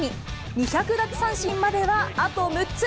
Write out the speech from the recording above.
２００奪三振まではあと６つ。